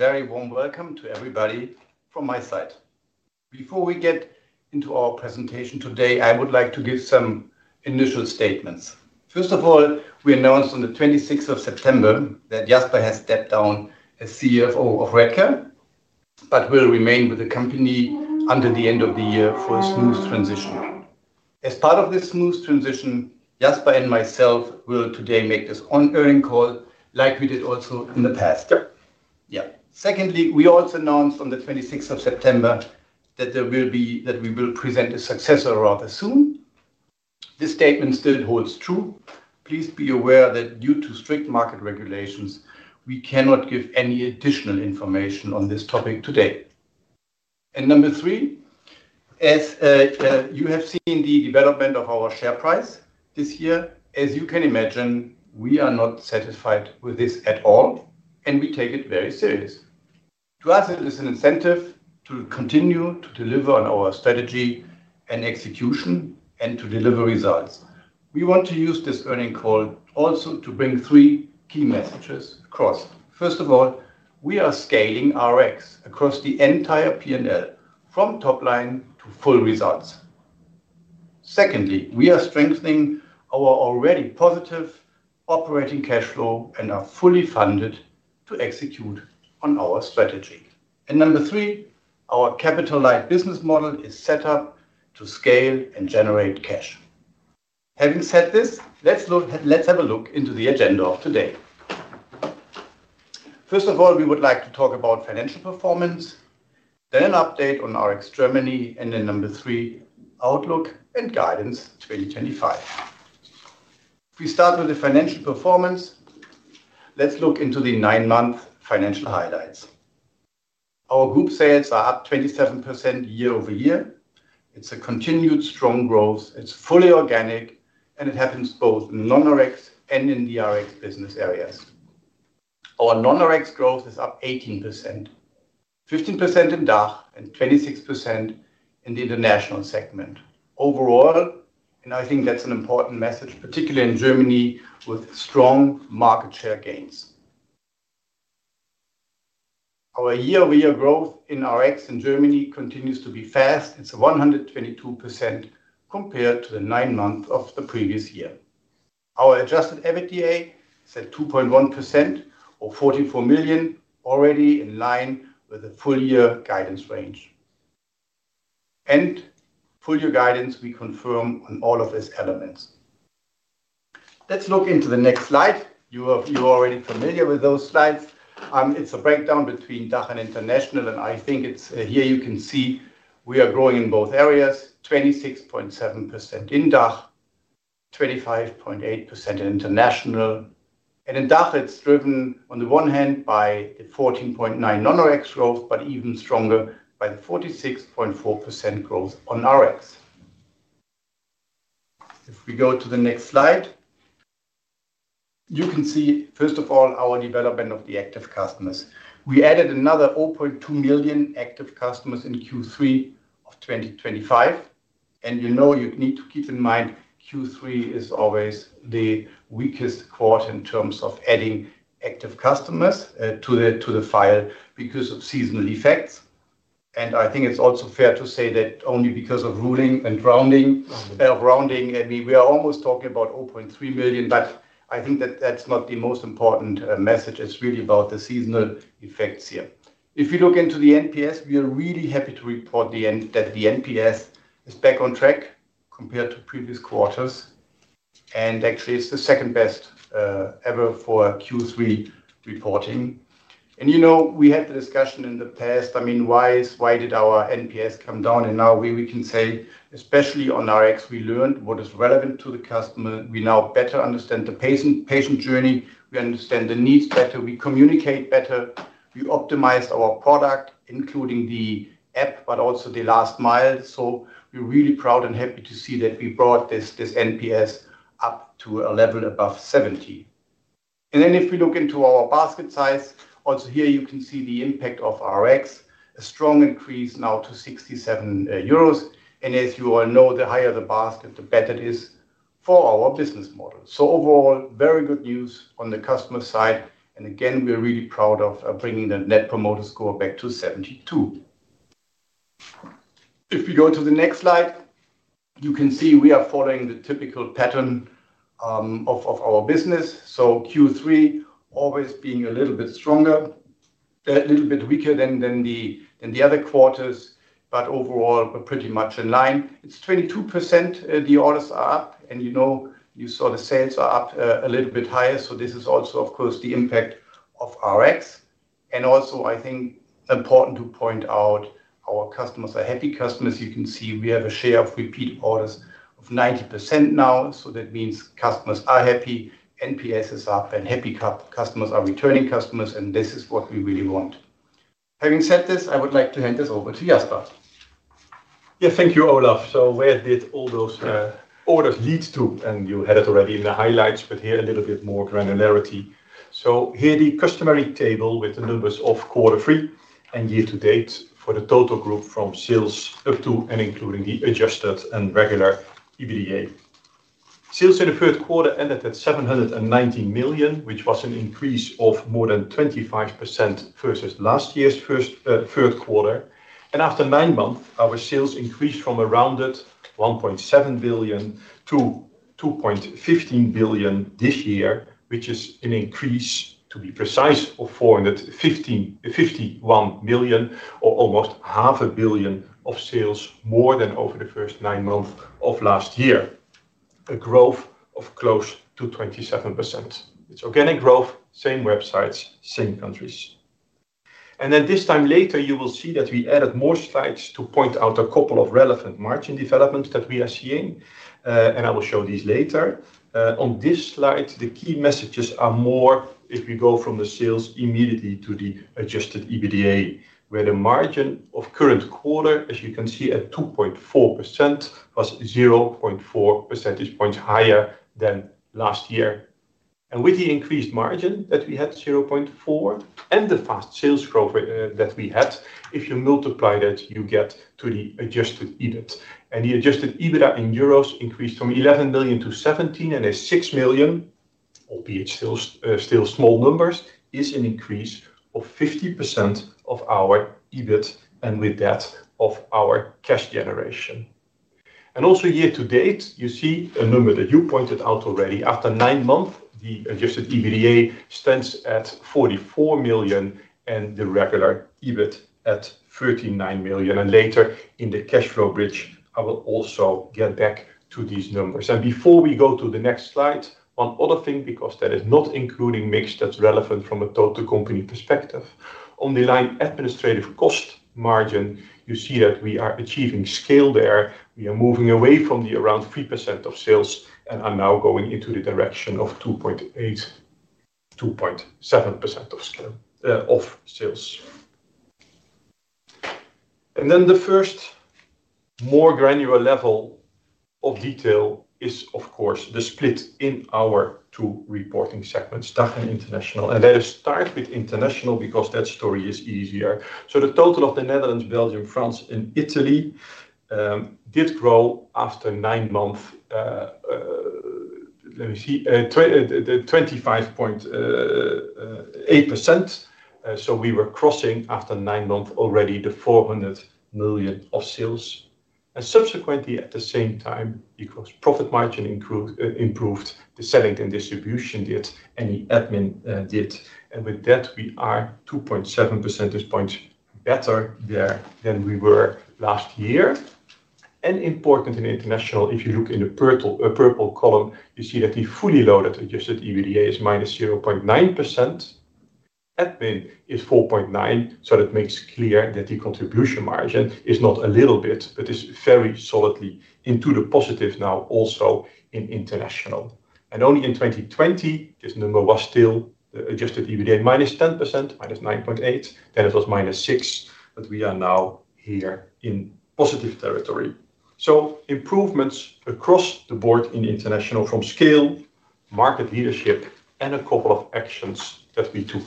A very warm welcome to everybody from my side. Before we get into our presentation today, I would like to give some initial statements. First of all, we announced on the 26th of September that Jasper has stepped down as CFO of Redcare, but will remain with the company until the end of the year for a smooth transition. As part of this smooth transition, Jasper and myself will today make this on-earning call, like we did also in the past. Yep. Yeah. Secondly, we also announced on the 26th of September that we will present a successor rather soon. This statement still holds true. Please be aware that due to strict market regulations, we cannot give any additional information on this topic today. Number three, as you have seen the development of our share price this year, as you can imagine, we are not satisfied with this at all, and we take it very seriously. To us, it is an incentive to continue to deliver on our strategy and execution and to deliver results. We want to use this earnings call also to bring three key messages across. First of all, we are scaling our ex across the entire P&L, from top line to full results. Secondly, we are strengthening our already positive operating cash flow and are fully funded to execute on our strategy. Number three, our capital-light business model is set up to scale and generate cash. Having said this, let's have a look into the agenda of today. First of all, we would like to talk about financial performance, then an update on RX Germany, and then number three, outlook and guidance 2025. If we start with the financial performance, let's look into the nine-month financial highlights. Our group sales are up 27% year over year. It's a continued strong growth. It's fully organic, and it happens both in non-Rx and in the Rx business areas. Our non-Rx growth is up 18%, 15% in DACH and 26% in the international segment. Overall, and I think that's an important message, particularly in Germany with strong market share gains. Our year-over-year growth in Rx in Germany continues to be fast. It's 122% compared to the nine months of the previous year. Our adjusted EBITDA is at 2.1% or 44 million, already in line with the full-year guidance range. Full-year guidance, we confirm on all of these elements. Let's look into the next slide. You are already familiar with those slides. It's a breakdown between DACH and international, and I think it's here you can see we are growing in both areas: 26.7% in DACH, 25.8% in international. In DACH, it's driven on the one hand by the 14.9% non-Rx growth, but even stronger by the 46.4% growth on Rx. If we go to the next slide, you can see, first of all, our development of the active customers. We added another 0.2 million active customers in Q3 of 2025. You need to keep in mind Q3 is always the weakest quarter in terms of adding active customers to the file because of seasonal effects. I think it's also fair to say that only because of ruling and rounding, I mean, we are almost talking about 0.3 million, but I think that's not the most important message. It's really about the seasonal effects here. If you look into the NPS, we are really happy to report that the NPS is back on track compared to previous quarters. Actually, it's the second best ever for Q3 reporting. We had the discussion in the past. I mean, why did our NPS come down? Now we can say, especially on Rx, we learned what is relevant to the customer. We now better understand the patient journey. We understand the needs better. We communicate better. We optimized our product, including the app, but also the last mile. We're really proud and happy to see that we brought this NPS up to a level above 70. If we look into our basket size, also here you can see the impact of Rx, a strong increase now to 67 euros. As you all know, the higher the basket, the better it is for our business model. Overall, very good news on the customer side. We're really proud of bringing the net promoter score back to 72. If we go to the next slide, you can see we are following the typical pattern of our business. Q3 always being a little bit weaker than the other quarters, but overall, we're pretty much in line. It's 22%, the orders are up. You saw the sales are up, a little bit higher. This is also, of course, the impact of Rx. Also, I think important to point out, our customers are happy customers. You can see we have a share of repeat orders of 90% now. That means customers are happy. NPS is up, and happy customers are returning customers. This is what we really want. Having said this, I would like to hand this over to Jasper. Yeah, thank you, Olaf. Where did all those orders lead to? You had it already in the highlights, but here a little bit more granularity. Here the customary table with the numbers of quarter three and year to date for the total group from sales up to and including the adjusted and regular EBITDA. Sales in the third quarter ended at 790 million, which was an increase of more than 25% versus last year's third quarter. After nine months, our sales increased from around 1.7 billion to 2.15 billion this year, which is an increase, to be precise, of 451 million, or almost half a billion of sales more than over the first nine months of last year. A growth of close to 27%. It's organic growth, same websites, same countries. This time later, you will see that we added more slides to point out a couple of relevant margin developments that we are seeing. I will show these later. On this slide, the key messages are more if we go from the sales immediately to the adjusted EBITDA, where the margin of current quarter, as you can see, at 2.4% was 0.4 percentage points higher than last year. With the increased margin that we had, 0.4, and the fast sales growth that we had, if you multiply that, you get to the adjusted EBIT. The adjusted EBITDA in euros increased from 11 million to 17 million, and a 6 million, albeit still small numbers, is an increase of 50% of our EBIT and with that of our cash generation. Also year to date, you see a number that you pointed out already. After nine months, the adjusted EBITDA stands at 44 million, and the regular EBIT at 39 million. Later in the cash flow bridge, I will also get back to these numbers. Before we go to the next slide, one other thing, because that is not including mix that's relevant from a total company perspective. On the line administrative cost margin, you see that we are achieving scale there. We are moving away from the around 3% of sales and are now going into the direction of 2.8, 2.7% of sales. The first more granular level of detail is, of course, the split in our two reporting segments, DACH and international. Let us start with international because that story is easier. The total of the Netherlands, Belgium, France, and Italy did grow after nine months, let me see, 25.8%. We were crossing after nine months already the 400 million of sales. Subsequently, at the same time, because profit margin improved, improved the selling and distribution did and the admin did. With that, we are 2.7 percentage points better there than we were last year. Important in international, if you look in the purple column, you see that the fully loaded adjusted EBITDA is -0.9%. Admin is 4.9%. That makes clear that the contribution margin is not a little bit, but it's very solidly into the positive now also in international. Only in 2020, this number was still the adjusted EBITDA minus 10%, minus 9.8%. Then it was minus 6%, but we are now here in positive territory. Improvements across the board in international from scale, market leadership, and a couple of actions that we took.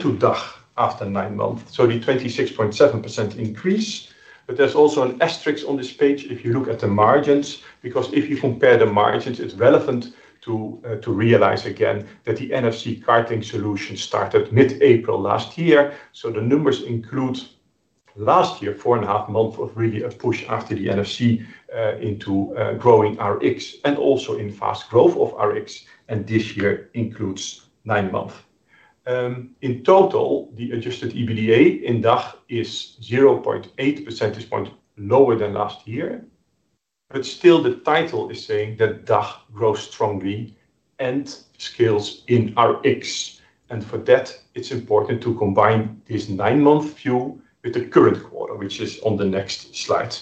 To DACH after nine months, the 26.7% increase. There's also an asterisk on this page if you look at the margins, because if you compare the margins, it's relevant to realize again that the NFC carting solution started mid-April last year. The numbers include last year, four and a half months of really a push after the NFC, into growing Rx and also in fast growth of Rx. This year includes nine months. In total, the adjusted EBITDA in DACH is 0.8%, which is lower than last year. Still, the title is saying that DACH grows strongly and scales in Rx. For that, it's important to combine this nine-month view with the current quarter, which is on the next slide.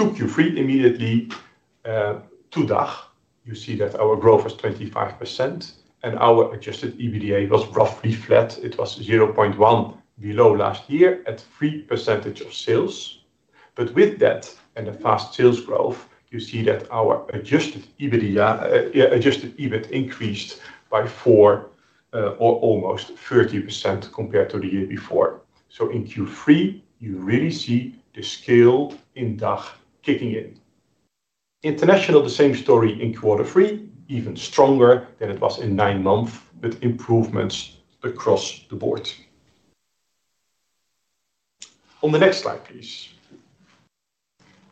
To Q3 immediately, to DACH, you see that our growth was 25%, and our adjusted EBITDA was roughly flat. It was 0.1% below last year at 3% of sales. With that and the fast sales growth, you see that our adjusted EBITDA, adjusted EBIT increased by 4, or almost 30% compared to the year before. In Q3, you really see the scale in DACH kicking in. International, the same story in quarter three, even stronger than it was in nine months, with improvements across the board. On the next slide, please.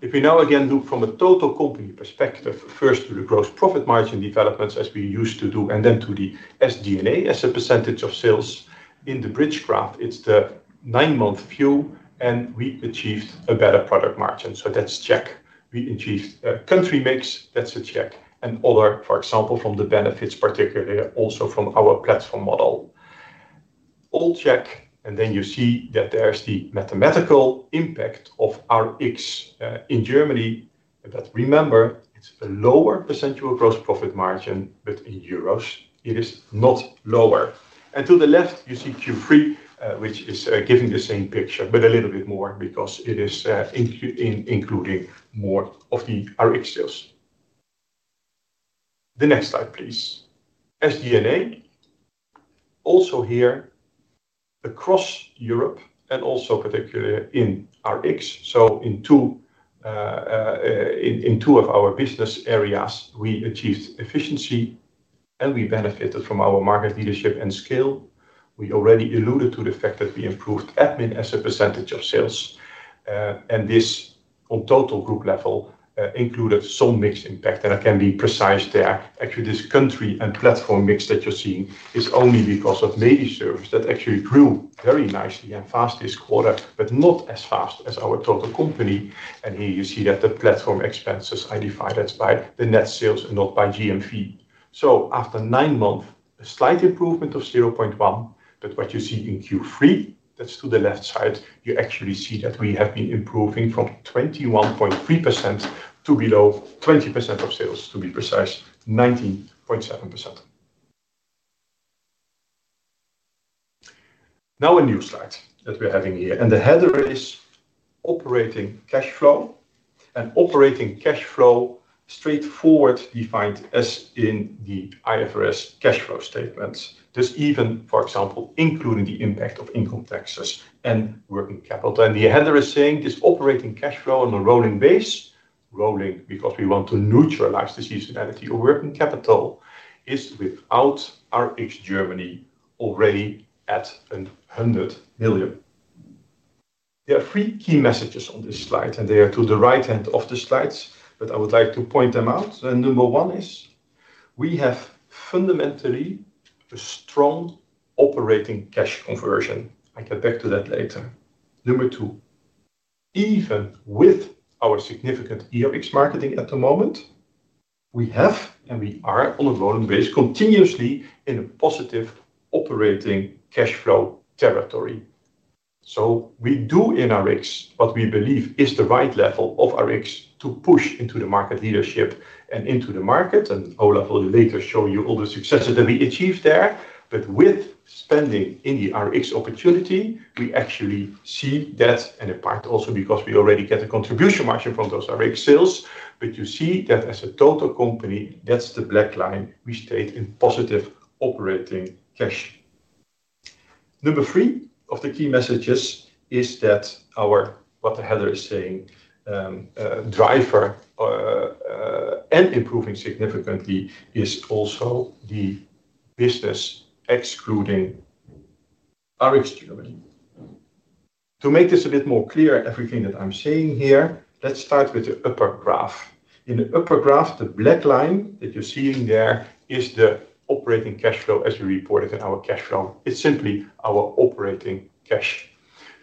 If we now again look from a total company perspective, first to the gross profit margin developments as we used to do, and then to the SG&A as a percentage of sales in the bridge graph, it's the nine-month view, and we achieved a better product margin. That's check. We achieved a country mix. That's a check. Other, for example, from the benefits particularly, also from our platform model. All check. You see that there's the mathematical impact of Rx in Germany. Remember, it's a lower percentual gross profit margin, but in euros, it is not lower. To the left, you see Q3, which is giving the same picture, but a little bit more because it is including more of the Rx sales. The next slide, please. SG&A. Also here, across Europe and also particularly in Rx. In two of our business areas, we achieved efficiency, and we benefited from our market leadership and scale. We already alluded to the fact that we improved admin as a percentage of sales. This on total group level included some mixed impact. I can be precise there. Actually, this country and platform mix that you're seeing is only because of maybe service that actually grew very nicely and fast this quarter, but not as fast as our total company. Here you see that the platform expenses are divided by the net sales and not by GMV. After nine months, a slight improvement of 0.1. What you see in Q3, that's to the left side, you actually see that we have been improving from 21.3% to below 20% of sales, to be precise 19.7%. Now a new slide that we're having here. The header is operating cash flow. Operating cash flow, straightforward defined as in the IFRS cash flow statements. This even, for example, including the impact of income taxes and working capital. The header is saying this operating cash flow on a rolling base, rolling because we want to neutralize the seasonality of working capital, is without Rx Germany already at 100 million. There are three key messages on this slide, and they are to the right hand of the slides, but I would like to point them out. Number one is we have fundamentally a strong operating cash conversion. I get back to that later. Number two, even with our significant e-Rx marketing at the moment, we have and we are on a rolling base continuously in a positive operating cash flow territory. We do in Rx what we believe is the right level of Rx to push into the market leadership and into the market. Olaf will later show you all the successes that we achieved there. With spending in the Rx opportunity, we actually see that, and in part also because we already get a contribution margin from those Rx sales. You see that as a total company, that's the black line, we state in positive operating cash. Number three of the key messages is that our, what the header is saying, driver, and improving significantly is also the business excluding Rx Germany. To make this a bit more clear, everything that I'm saying here, let's start with the upper graph. In the upper graph, the black line that you're seeing there is the operating cash flow as we reported in our cash flow. It's simply our operating cash.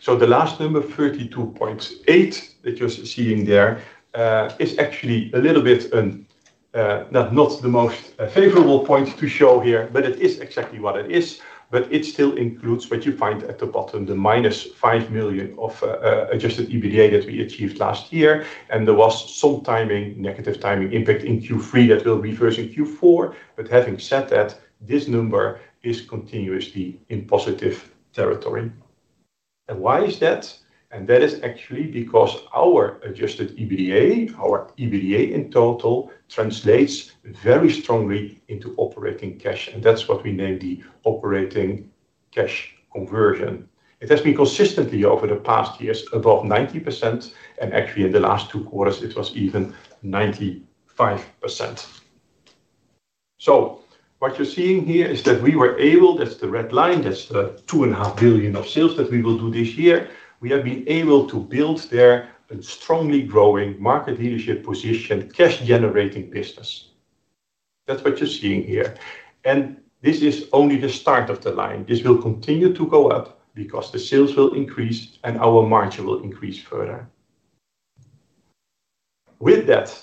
The last number, 32.8 that you're seeing there, is actually a little bit, not the most favorable point to show here, but it is exactly what it is. It still includes what you find at the bottom, the -5 million of adjusted EBITDA that we achieved last year. There was some negative timing impact in Q3 that will reverse in Q4. Having said that, this number is continuously in positive territory. Why is that? That is actually because our adjusted EBITDA, our EBITDA in total, translates very strongly into operating cash. That's what we name the operating cash conversion. It has been consistently over the past years above 90%. In the last two quarters, it was even 95%. What you're seeing here is that we were able, that's the red line, that's the 2.5 billion of sales that we will do this year. We have been able to build there a strongly growing market leadership position, cash-generating business. That's what you're seeing here. This is only the start of the line. This will continue to go up because the sales will increase and our margin will increase further. With that,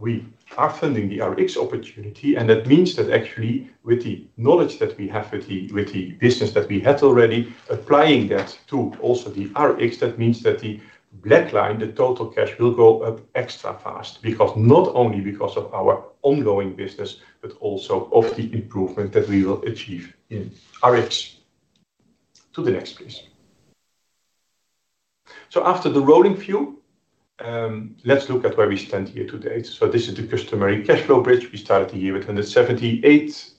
we are funding the Rx opportunity. That means that actually, with the knowledge that we have with the business that we had already, applying that to also the Rx, that means that the black line, the total cash, will go up extra fast not only because of our ongoing business, but also because of the improvement that we will achieve in Rx. To the next place. After the rolling view, let's look at where we stand here today. This is the customary cash flow bridge. We started the year with 178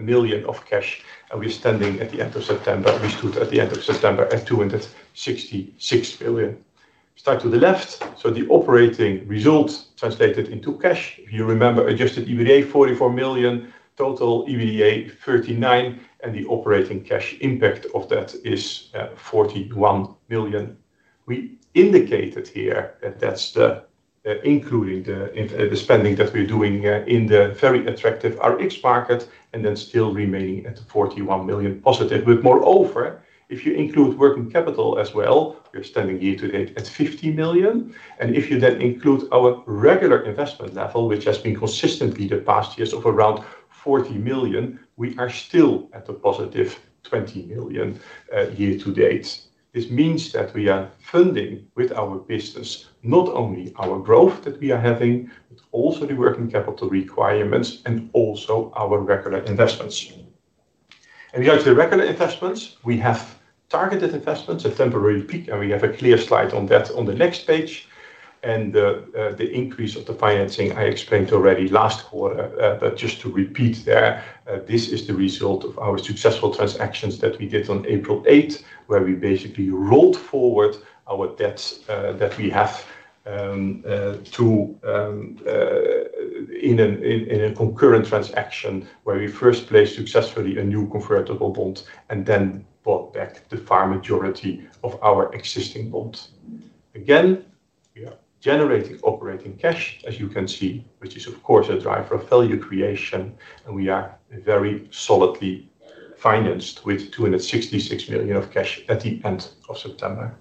million of cash. We're standing at the end of September at 266 million. Start to the left. The operating result translated into cash, if you remember, adjusted EBITDA 44 million, total EBITDA 39 million, and the operating cash impact of that is 41 million. We indicated here that that's including the spending that we're doing in the very attractive Rx market, and then still remaining at 41 million positive. Moreover, if you include working capital as well, we're standing year to date at 50 million. If you then include our regular investment level, which has been consistently the past years around 40 million, we are still at a positive 20 million year to date. This means that we are funding with our business not only our growth that we are having, but also the working capital requirements and also our regular investments. Regarding the regular investments, we have targeted investments, a temporary peak, and we have a clear slide on that on the next page. The increase of the financing I explained already last quarter, but just to repeat, this is the result of our successful transactions that we did on April 8th, where we basically rolled forward our debts in a concurrent transaction where we first placed successfully a new convertible bond and then bought back the far majority of our existing bond. We are generating operating cash, as you can see, which is, of course, a driver of value creation. We are very solidly financed with 266 million of cash at the end of September.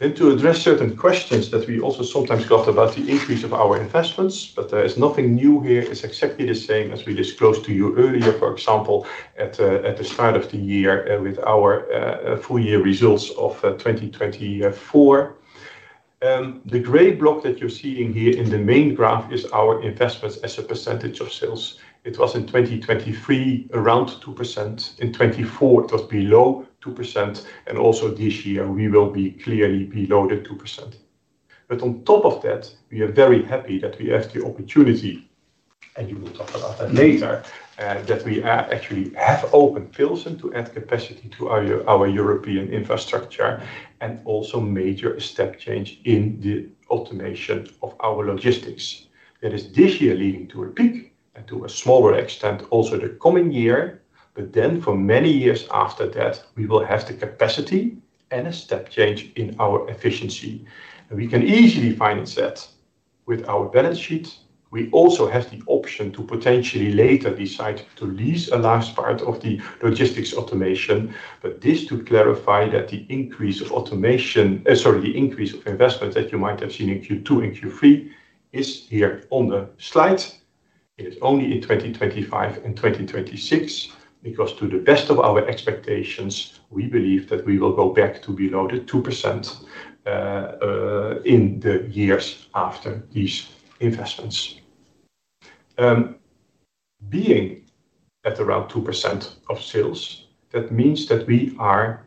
To address certain questions that we also sometimes got about the increase of our investments, there is nothing new here. It's exactly the same as we disclosed to you earlier, for example, at the start of the year, with our full year results of 2024. The gray block that you're seeing here in the main graph is our investments as a % of sales. It was in 2023 around 2%. In 2024, it was below 2%. Also this year, we will be clearly below the 2%. On top of that, we are very happy that we have the opportunity, and you will talk about that later, that we actually have opened Pilsen to add capacity to our European infrastructure and also a major step change in the automation of our logistics. That is this year leading to a peak and to a smaller extent also the coming year. For many years after that, we will have the capacity and a step change in our efficiency. We can easily finance that with our balance sheet. We also have the option to potentially later decide to lease a large part of the logistics automation. This is to clarify that the increase of automation, sorry, the increase of investments that you might have seen in Q2 and Q3 is here on the slide. It is only in 2025 and 2026 because to the best of our expectations, we believe that we will go back to below the 2% in the years after these investments. Being at around 2% of sales, that means that we are,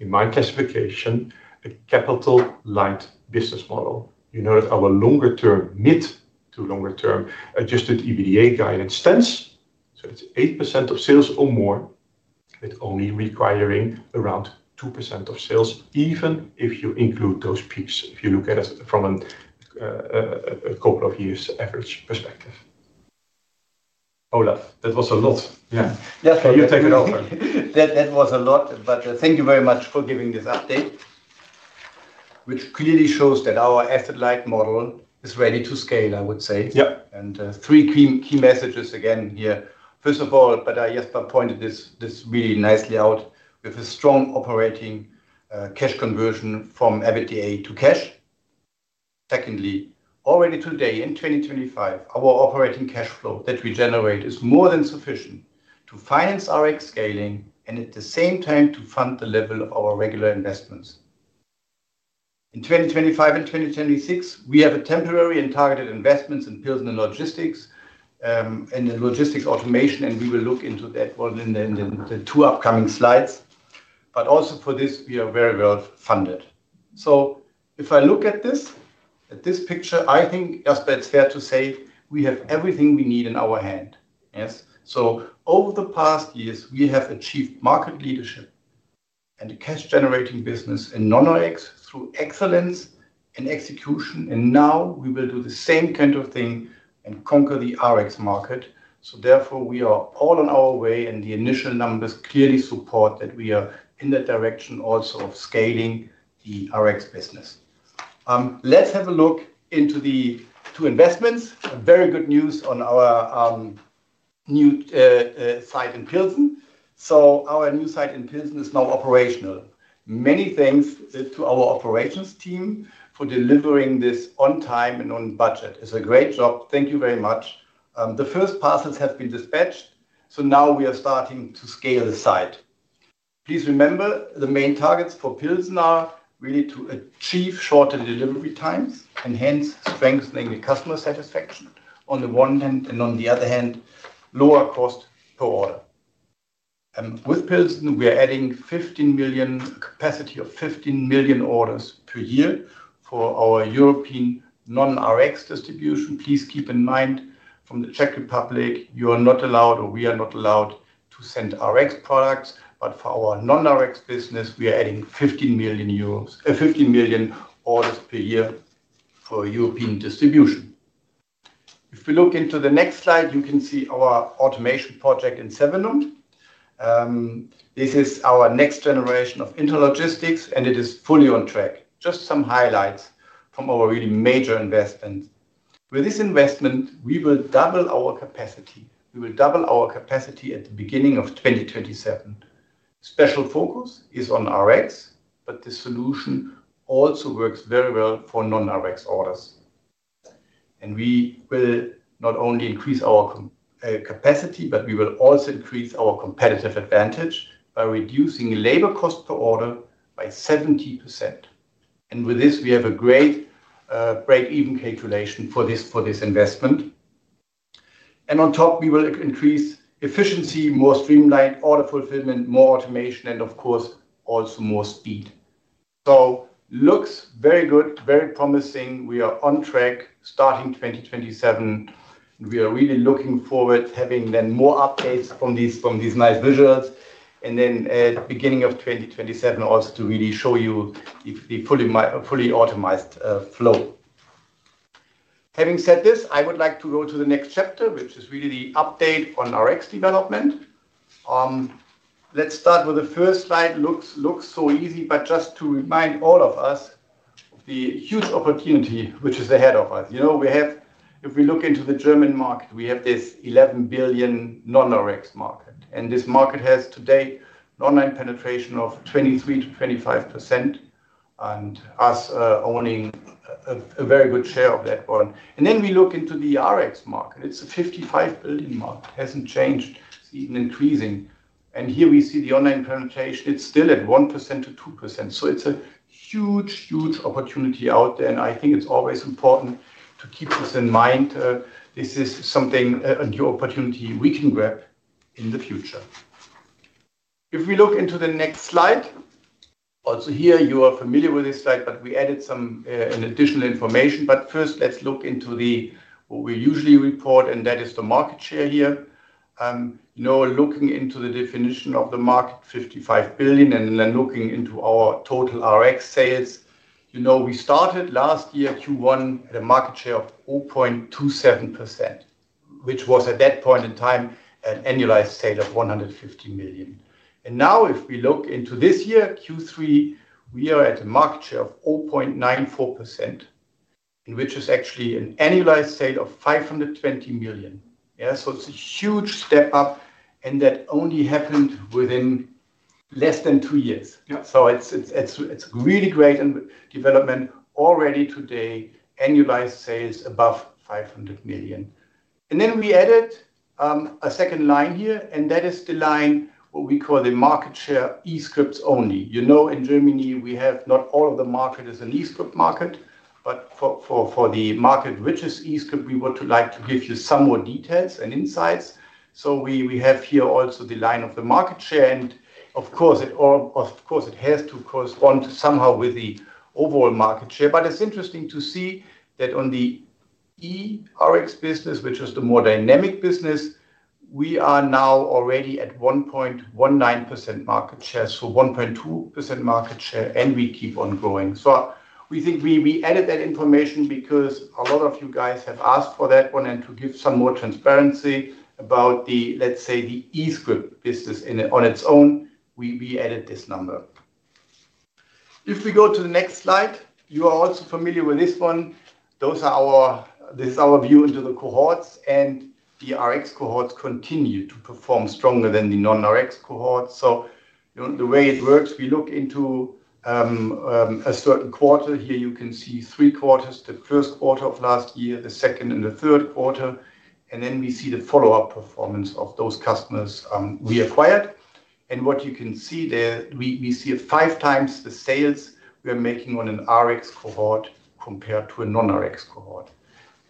in my classification, a capital-light business model. You know that our longer term, mid to longer term adjusted EBITDA guidance stands. It's 8% of sales or more, with only requiring around 2% of sales, even if you include those peaks, if you look at it from a couple of years average perspective. Olaf, that was a lot. Yeah. Yeah. Can you take it over? That was a lot. Thank you very much for giving this update. Which clearly shows that our asset light model is ready to scale, I would say. Yeah. Three key messages again here. First of all, I just pointed this really nicely out with a strong operating cash conversion from EBITDA to cash. Secondly, already today in 2025, our operating cash flow that we generate is more than sufficient to finance Rx scaling and at the same time to fund the level of our regular investments. In 2025 and 2026, we have temporary and targeted investments in Pilsen logistics and the logistics automation. We will look into that in the two upcoming slides. Also for this, we are very well funded. If I look at this picture, I think, Jasper, it's fair to say we have everything we need in our hand. Yes. Over the past years, we have achieved market leadership and the cash generating business in non-Rx through excellence and execution. Now we will do the same kind of thing and conquer the Rx market. Therefore, we are all on our way. The initial numbers clearly support that we are in the direction also of scaling the Rx business. Let's have a look into the two investments. Very good news on our new site in Pilsen. Our new site in Pilsen is now operational. Many thanks to our operations team for delivering this on time and on budget. It's a great job. Thank you very much. The first parcels have been dispatched. Now we are starting to scale the site. Please remember the main targets for Pilsen are really to achieve shorter delivery times and hence strengthening the customer satisfaction on the one hand, and on the other hand, lower cost per order. With Pilsen, we are adding a capacity of 15 million orders per year for our European non-Rx distribution. Please keep in mind from the Czech Republic, you are not allowed or we are not allowed to send Rx products. For our non-Rx business, we are adding 15 million orders per year for European distribution. If we look into the next slide, you can see our automation project in Sevenum. This is our next generation of interlogistics, and it is fully on track. Just some highlights from our really major investments. With this investment, we will double our capacity. We will double our capacity at the beginning of 2027. Special focus is on Rx, but the solution also works very well for non-Rx orders. We will not only increase our capacity, but we will also increase our competitive advantage by reducing labor cost per order by 70%. With this, we have a great break-even calculation for this investment. On top, we will increase efficiency, more streamlined order fulfillment, more automation, and of course, also more speed. It looks very good, very promising. We are on track starting 2027, and we are really looking forward to having more updates from these nice visuals. At the beginning of 2027, also to really show you the fully optimized flow. Having said this, I would like to go to the next chapter, which is really the update on Rx development. Let's start with the first slide. It looks so easy, but just to remind all of us of the huge opportunity which is ahead of us. You know, if we look into the German market, we have this 11 billion non-Rx market. This market has today an online penetration of 23% to 25%, and us owning a very good share of that one. Then we look into the Rx market. It's a 55 billion market. It hasn't changed. It's even increasing. Here we see the online penetration is still at 1% to 2%. It's a huge, huge opportunity out there. I think it's always important to keep this in mind. This is something, a new opportunity we can grab in the future. If we look into the next slide. Also here, you are familiar with this slide, but we added some additional information. First, let's look into what we usually report, and that is the market share here. You know, looking into the definition of the market, 55 billion, and then looking into our total Rx sales, you know, we started last year, Q1, at a market share of 0.27%, which was at that point in time an annualized sale of 150 million. Now, if we look into this year, Q3, we are at a market share of 0.94%, which is actually an annualized sale of 520 million. It's a huge step up, and that only happened within less than two years. It's really great and development already today, annualized sales above 500 million. We added a second line here, and that is the line we call the market share e-scripts only. You know, in Germany, not all of the market is an e-script market, but for the market which is e-script, we would like to give you some more details and insights. We have here also the line of the market share. Of course, it has to correspond somehow with the overall market share. It's interesting to see that on the e-Rx business, which is the more dynamic business, we are now already at 1.19% market share, so 1.2% market share, and we keep on growing. We added that information because a lot of you guys have asked for that one, and to give some more transparency about the, let's say, the e-prescription business on its own, we added this number. If we go to the next slide, you are also familiar with this one. This is our view into the cohorts, and the Rx cohorts continue to perform stronger than the non-Rx cohorts. The way it works, we look into a certain quarter. Here you can see three quarters: the first quarter of last year, the second, and the third quarter. Then we see the follow-up performance of those customers we acquired. What you can see there, we see five times the sales we are making on an Rx cohort compared to a non-Rx cohort.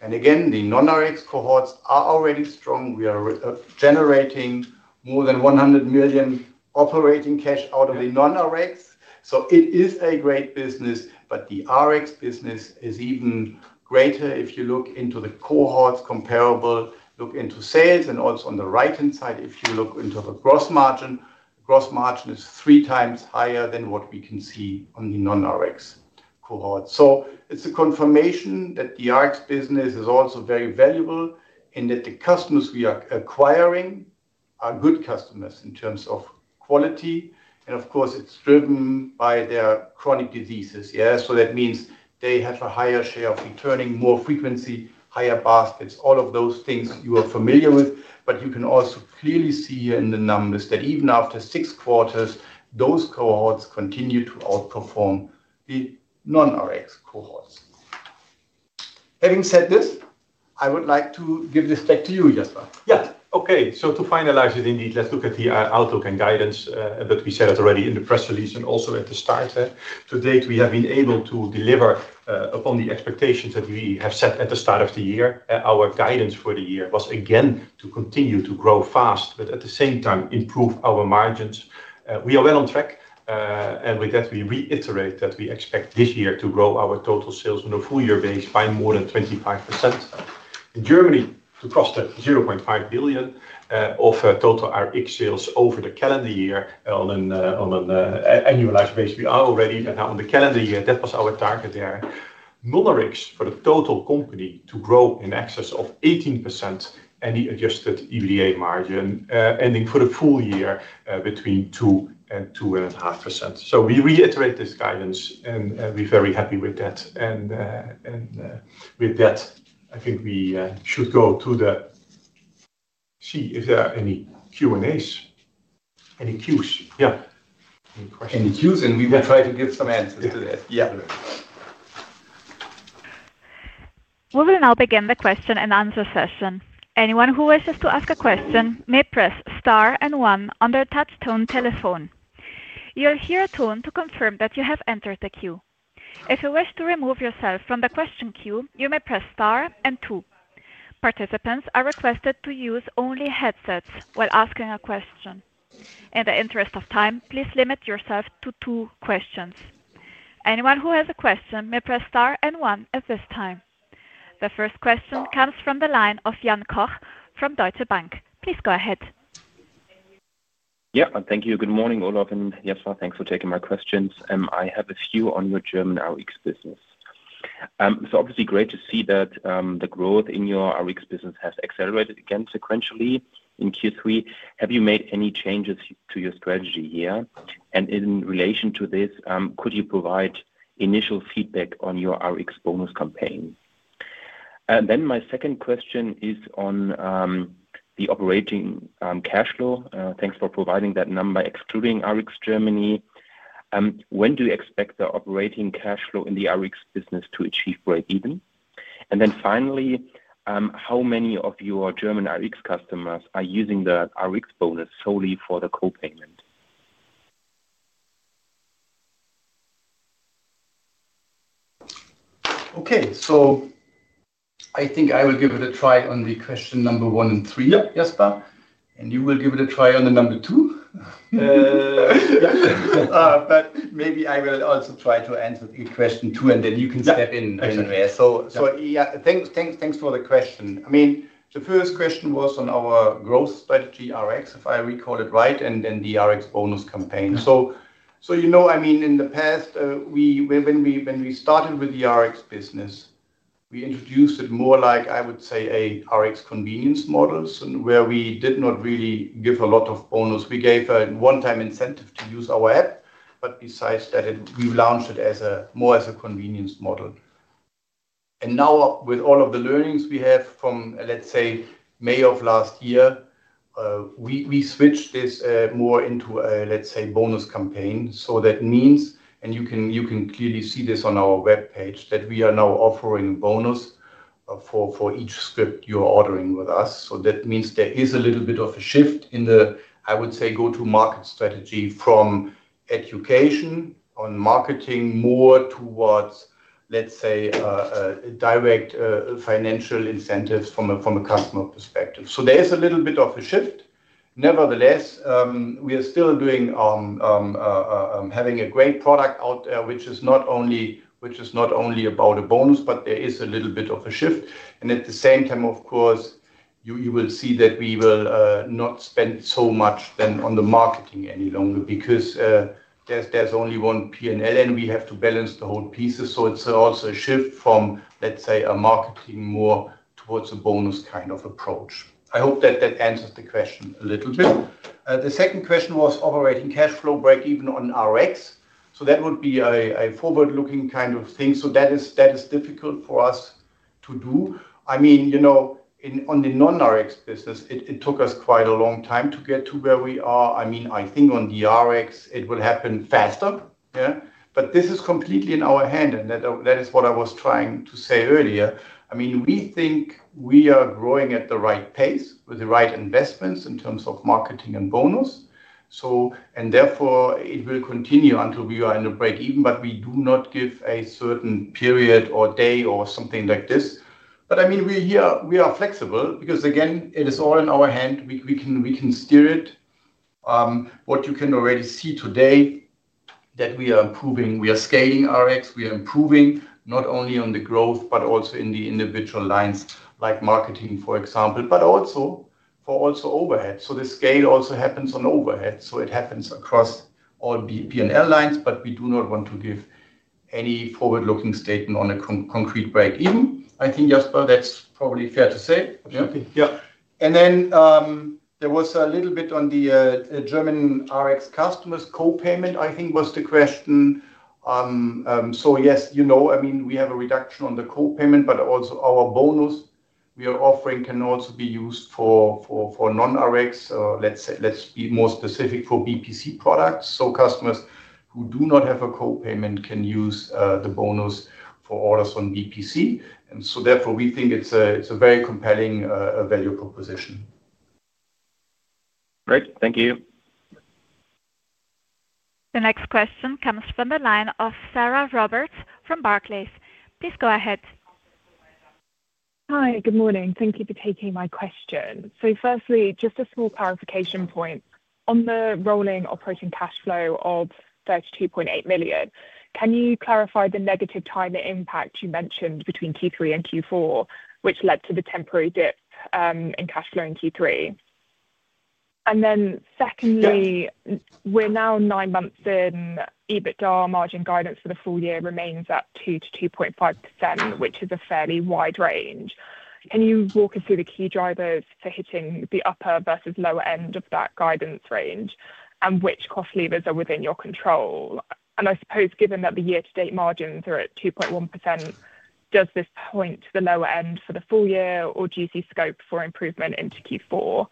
The non-Rx cohorts are already strong. We are generating more than $100 million operating cash out of the non-Rx, so it is a great business, but the Rx business is even greater if you look into the cohorts' comparable sales. Also, on the right-hand side, if you look into the gross margin, the gross margin is three times higher than what we can see on the non-Rx cohort. It's a confirmation that the Rx business is also very valuable and that the customers we are acquiring are good customers in terms of quality. It's driven by their chronic diseases. That means they have a higher share of returning, more frequency, higher baskets, all of those things you are familiar with. You can also clearly see here in the numbers that even after six quarters, those cohorts continue to outperform the non-Rx cohorts. Having said this, I would like to give this back to you, Jasper. Okay. To finalize it, indeed, let's look at the outlook and guidance that we shared already in the press release and also at the start. To date, we have been able to deliver upon the expectations that we have set at the start of the year. Our guidance for the year was again to continue to grow fast, but at the same time, improve our margins. We are well on track, and with that, we reiterate that we expect this year to grow our total sales on a full-year base by more than 25%. In Germany, to cost that $0.5 billion of total Rx sales over the calendar year on an annualized base, we are already, and now on the calendar year, that was our target there. Non-Rx for the total company to grow in excess of 18% and the adjusted EBITDA margin ending for the full year between 2% and 2.5%. We reiterate this guidance, and we're very happy with that. With that, I think we should go to the Q&A. Any Qs? Yeah. Any questions? Any Qs? We will try to give some answers to that. Yeah. We will now begin the question and answer session. Anyone who wishes to ask a question may press star and one on their touch-tone telephone. You'll hear a tone to confirm that you have entered the queue. If you wish to remove yourself from the question queue, you may press star and two. Participants are requested to use only headsets while asking a question. In the interest of time, please limit yourself to two questions. Anyone who has a question may press star and one at this time. The first question comes from the line of Jan Koch from Deutsche Bank. Please go ahead. Thank you. Yeah. Thank you. Good morning, Olaf and Jasper. Thanks for taking my questions. I have a few on your German Rx business. Obviously, great to see that the growth in your Rx business has accelerated again sequentially in Q3. Have you made any changes to your strategy here? In relation to this, could you provide initial feedback on your Rx bonus campaign? My second question is on the operating cash flow. Thanks for providing that number by excluding Rx Germany. When do you expect the operating cash flow in the Rx business to achieve break-even? Finally, how many of your German Rx customers are using the Rx bonus solely for the co-payment? Okay. I think I will give it a try on question number one and three, Jasper. You will give it a try on number two. Maybe I will also try to answer question two, and then you can step in. Yeah. Thanks. Thanks for the question. The first question was on our growth strategy, Rx, if I recall it right, and then the Rx bonus campaign. You know, in the past, when we started with the Rx business, we introduced it more like, I would say, an Rx convenience model where we did not really give a lot of bonus. We gave a one-time incentive to use our app, but besides that, we launched it more as a convenience model. Now, with all of the learnings we have from, let's say, May of last year, we switched this more into a, let's say, bonus campaign. That means, and you can clearly see this on our web page, that we are now offering a bonus for each script you're ordering with us. That means there is a little bit of a shift in the, I would say, go-to-market strategy from education on marketing more towards, let's say, direct financial incentives from a customer perspective. There is a little bit of a shift. Nevertheless, we are still having a great product out there, which is not only about a bonus, but there is a little bit of a shift. At the same time, of course, you will see that we will not spend so much then on the marketing any longer because there's only one P&L, and we have to balance the whole pieces. It's also a shift from, let's say, marketing more towards a bonus kind of approach. I hope that answers the question a little bit. The second question was operating cash flow break-even on Rx. That would be a forward-looking kind of thing. That is difficult for us to do. I mean, you know, in the non-Rx business, it took us quite a long time to get to where we are. I mean, I think on the Rx, it will happen faster. Yeah. This is completely in our hand, and that is what I was trying to say earlier. I mean, we think we are growing at the right pace with the right investments in terms of marketing and bonus. Therefore, it will continue until we are in a break-even, but we do not give a certain period or day or something like this. I mean, here we are flexible because, again, it is all in our hand. We can steer it. What you can already see today is that we are improving. We are scaling Rx. We are improving not only on the growth, but also in the individual lines like marketing, for example, but also overhead. The scale also happens on overhead. It happens across all P&L lines, but we do not want to give any forward-looking statement on a concrete break-even. I think, Jasper, that's probably fair to say. Yeah. There was a little bit on the German Rx customers' co-payment, I think, was the question. Yes, you know, I mean, we have a reduction on the co-payment, but also our bonus we are offering can also be used for non-Rx. Let's be more specific for BPC products. Customers who do not have a co-payment can use the bonus for orders on BPC. Therefore, we think it's a very compelling value proposition. Thank you. The next question comes from the line of Sarah Roberts from Barclays. Please go ahead. Hi. Good morning. Thank you for taking my question. Firstly, just a small clarification point. On the rolling operating cash flow of 32.8 million, can you clarify the negative timing impact you mentioned between Q3 and Q4, which led to the temporary dip in cash flow in Q3? Secondly, we're now nine months in, EBITDA margin guidance for the full year remains at 2 to 2.5%, which is a fairly wide range. Can you walk us through the key drivers for hitting the upper versus lower end of that guidance range and which cost levers are within your control? I suppose given that the year-to-date margins are at 2.1%, does this point to the lower end for the full year, or do you see scope for improvement into Q4?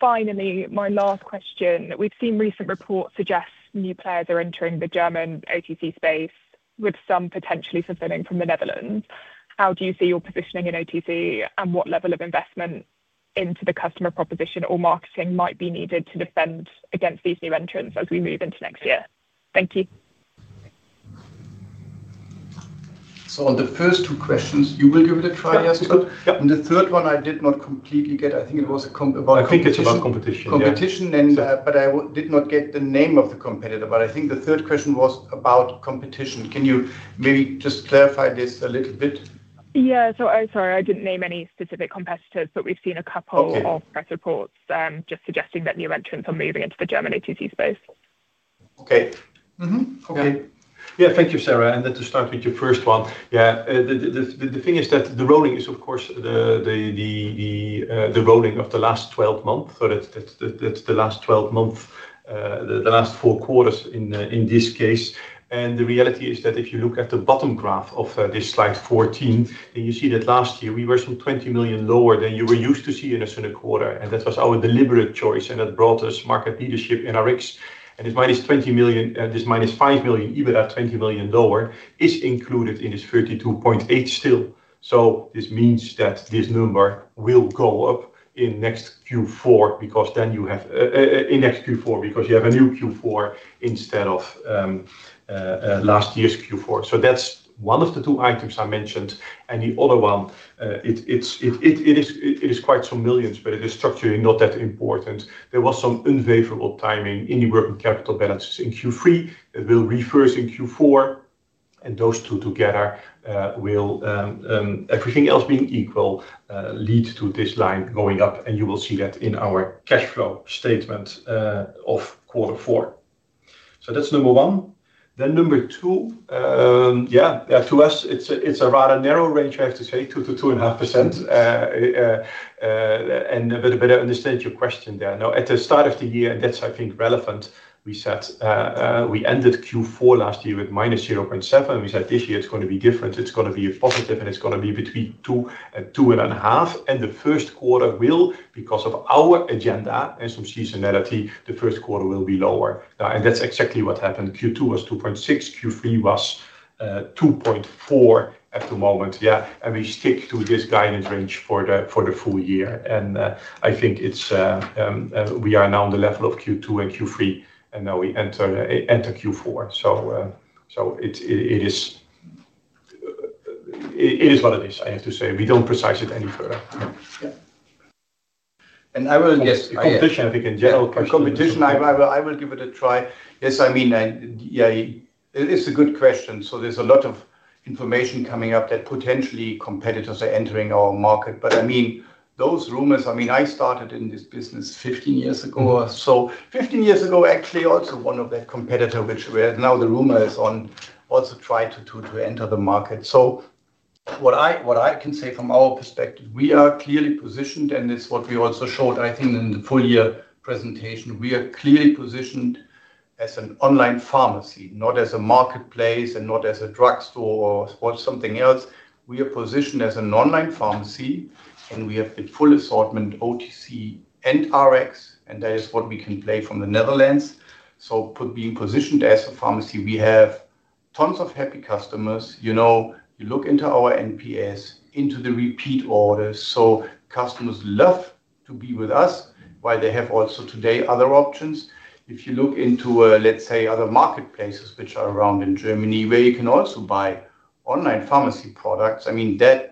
Finally, my last question. We've seen recent reports suggest new players are entering the German OTC space with some potentially fulfilling from the Netherlands. How do you see your positioning in OTC, and what level of investment into the customer proposition or marketing might be needed to defend against these new entrants as we move into next year? Thank you. On the first two questions, you will give it a try, Jasper. On the third one, I did not completely get. I think it was about competition. I think it's about competition. Competition, but I did not get the name of the competitor, but I think the third question was about competition. Can you maybe just clarify this a little bit? I'm sorry. I didn't name any specific competitors, but we've seen a couple of press reports just suggesting that new entrants are moving into the German OTC space. Okay. Thank you, Sarah. To start with your first one, the thing is that the rolling is, of course, the rolling of the last 12 months. That's the last 12 months, the last four quarters in this case. The reality is that if you look at the bottom graph of this slide 14, then you see that last year we were some 20 million lower than you were used to see in a single quarter. That was our deliberate choice, and that brought us market leadership in Rx. This -20 million, this -5 million EBITDA, 20 million lower, is included in this 32.8 million still. This means that this number will go up in next Q4 because you have a new Q4 instead of last year's Q4. That's one of the two items I mentioned. The other one, it is quite some millions, but it is structurally not that important. There was some unfavorable timing in the working capital balances in Q3 that will reverse in Q4. Those two together will, everything else being equal, lead to this line going up. You will see that in our cash flow statement of quarter four. That's number one. Number two, to us, it's a rather narrow range, I have to say, 2% to 2.5%. A bit of an understanding of your question there. At the start of the year, and that's, I think, relevant, we said we ended Q4 last year with minus 0.7%. We said this year it's going to be different. It's going to be a positive, and it's going to be between 2% and 2.5%. The first quarter will, because of our agenda and some seasonality, the first quarter will be lower. That's exactly what happened. Q2 was 2.6%. Q3 was 2.4% at the moment. We stick to this guidance range for the full year. We are now on the level of Q2 and Q3, and now we enter Q4. It is what it is, I have to say. We don't precise it any further. Competition, I think, in general. Competition, I will give it a try. Yes, it's a good question. There's a lot of information coming up that potentially competitors are entering our market. Those rumors, I started in this business 15 years ago. Fifteen years ago, actually, also one of that competitor, which we are now the rumor is on, also tried to enter the market. What I can say from our perspective, we are clearly positioned, and it's what we also showed, I think, in the full year presentation. We are clearly positioned as an online pharmacy, not as a marketplace and not as a drugstore or something else. We are positioned as an online pharmacy, and we have the full assortment OTC and Rx, and that is what we can play from the Netherlands. Being positioned as a pharmacy, we have tons of happy customers. You look into our NPS, into the repeat orders. Customers love to be with us while they also today have other options. If you look into, let's say, other marketplaces which are around in Germany where you can also buy online pharmacy products, that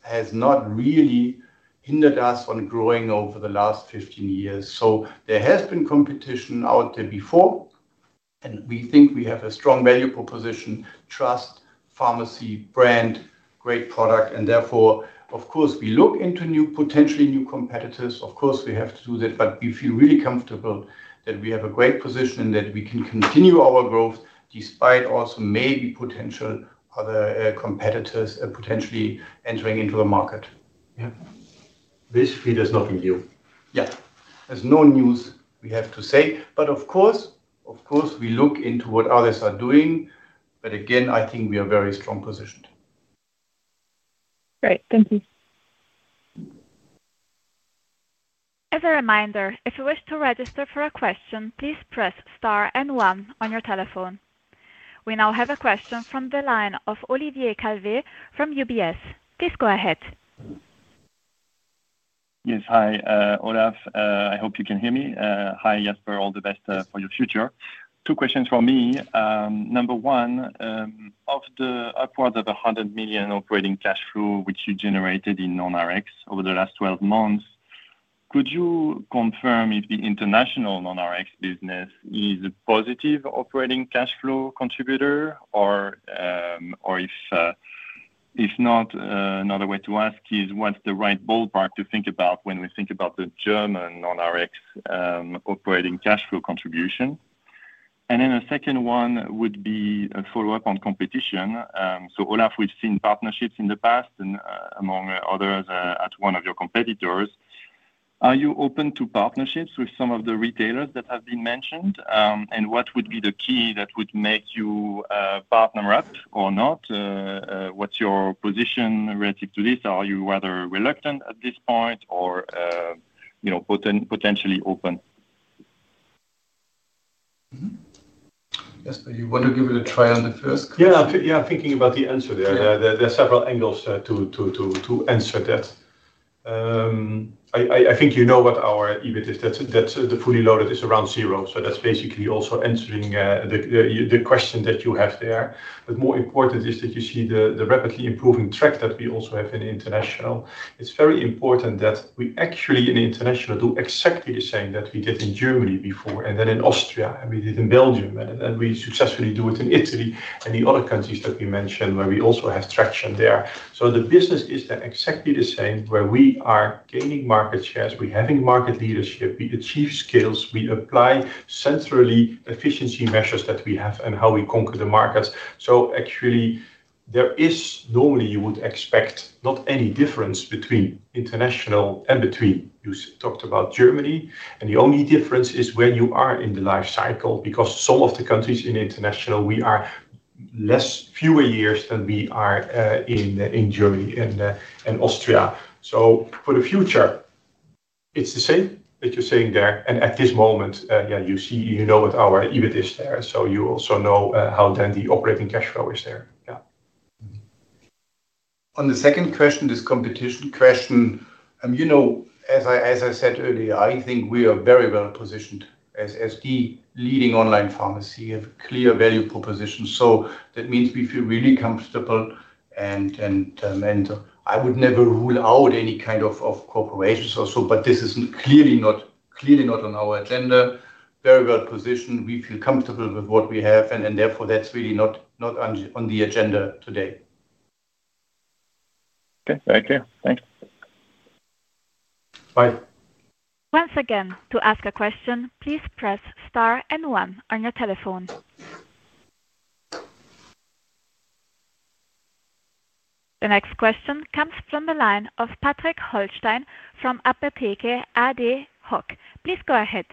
has not really hindered us on growing over the last 15 years. There has been competition out there before, and we think we have a strong value proposition, trust pharmacy brand, great product. Therefore, of course, we look into potentially new competitors. Of course, we have to do that, but we feel really comfortable that we have a great position and that we can continue our growth despite also maybe potential other competitors potentially entering into the market. Basically, there's nothing new. There's no news, we have to say. Of course, we look into what others are doing. Again, I think we are very strong positioned. Great. Thank you. As a reminder, if you wish to register for a question, please press star and one on your telephone. We now have a question from the line of Olivier Calvet from UBS. Please go ahead. Yes. Hi, Olaf. I hope you can hear me. Hi, Jasper. All the best for your future. Two questions for me. Number one. Of the upward of 100 million operating cash flow which you generated in non-Rx over the last 12 months, could you confirm if the international non-Rx business is a positive operating cash flow contributor or, if not, another way to ask is what's the right ballpark to think about when we think about the German non-Rx operating cash flow contribution? A second one would be a follow-up on competition. Olaf, we've seen partnerships in the past and among others at one of your competitors. Are you open to partnerships with some of the retailers that have been mentioned? What would be the key that would make you partner up or not? What's your position relative to this? Are you rather reluctant at this point or potentially open? Jasper, you want to give it a try on the first question? Yeah. Thinking about the answer there, there are several angles to answer that. I think you know what our EBIT is. That's the fully loaded is around zero. That's basically also answering the question that you have there. More important is that you see the rapidly improving track that we also have in international. It's very important that we actually in international do exactly the same that we did in Germany before and then in Austria, and we did in Belgium, and then we successfully do it in Italy and the other countries that we mentioned where we also have traction there. The business is that exactly the same where we are gaining market shares, we're having market leadership, we achieve skills, we apply centrally efficiency measures that we have and how we conquer the markets. Actually, there is normally you would expect not any difference between international and between you talked about Germany. The only difference is when you are in the life cycle because some of the countries in international, we are fewer years than we are in Germany and Austria. For the future, it's the same that you're saying there. At this moment, you see you know what our EBIT is there. You also know how then the operating cash flow is there. On the second question, this competition question, as I said earlier, I think we are very well positioned as the leading online pharmacy. We have a clear value proposition. That means we feel really comfortable and I would never rule out any kind of corporations or so, but this is clearly not on our agenda. Very well positioned. We feel comfortable with what we have, and therefore that's really not on the agenda today. Thank you. Thanks. Bye. Once again, to ask a question, please press star and one on your telephone. The next question comes from the line of Patrick Hollstein from APOTHEKE ADHOC. Please go ahead.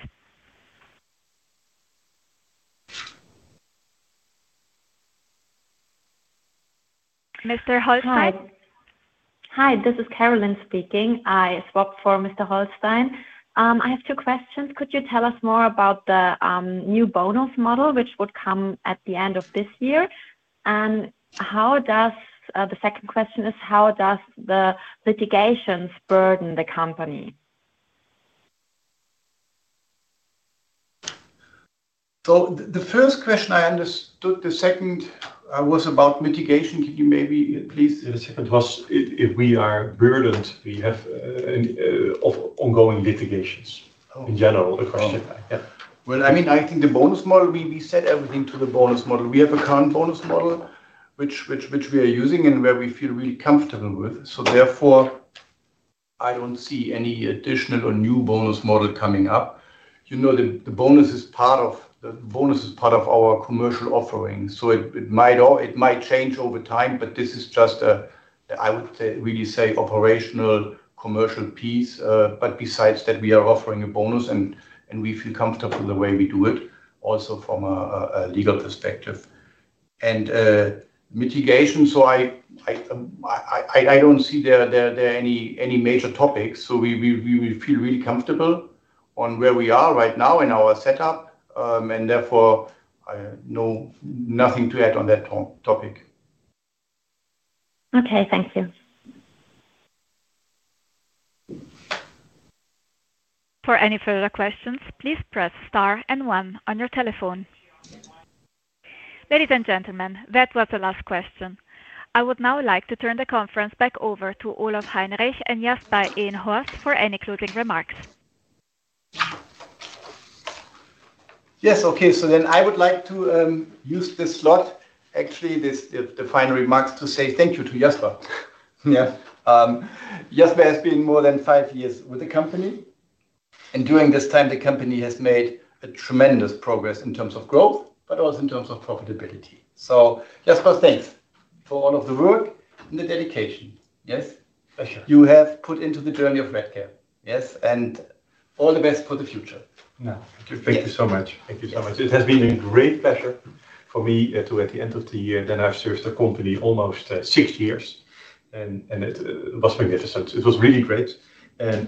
Mr. Hollstein. Hi. This is Carolyn speaking. I swapped for Mr. Hollstein. I have two questions. Could you tell us more about the new bonus model, which would come at the end of this year? The second question is how does the litigations burden the company? So the first question I understood, the second was about mitigation. Can you maybe please? The second was if we are burdened, we have ongoing litigations in general, the question. I think the bonus model, we set everything to the bonus model. We have a current bonus model which we are using and where we feel really comfortable with. Therefore, I don't see any additional or new bonus model coming up. The bonus is part of our commercial offering. It might change over time, but this is just a, I would say, really operational commercial piece. Besides that, we are offering a bonus and we feel comfortable the way we do it also from a legal perspective and mitigation. I don't see there are any major topics. We feel really comfortable on where we are right now in our setup. Therefore, I have nothing to add on that topic. Thank you. For any further questions, please press star and one on your telephone. Ladies and gentlemen, that was the last question. I would now like to turn the conference back over to Olaf Heinrich and Jasper Eenhorst for any closing remarks. Yes. I would like to use this slot, actually the final remarks, to say thank you to Jasper. Jasper has been more than five years with the company, and during this time, the company has made tremendous progress in terms of growth, but also in terms of profitability. Jasper, thanks for all of the work and the dedication you have put into the journey of Redcare. All the best for the future. Thank you so much. It has been a great pleasure for me. At the end of the year, then, I've served the company almost six years, and it was magnificent. It was really great.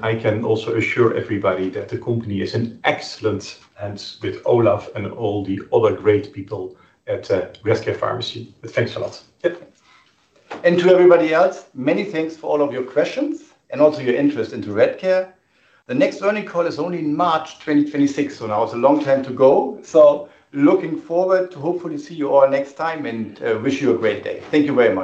I can also assure everybody that the company is in excellent hands with Olaf and all the other great people at Redcare Pharmacy. Thanks a lot. To everybody else, many thanks for all of your questions and also your interest in Redcare. The next learning call is only in March 2026. Now it's a long time to go. Looking forward to hopefully see you all next time and wish you a great day. Thank you very much.